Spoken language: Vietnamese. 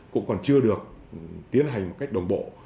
cũng còn chưa được tiến hành một cách đồng bộ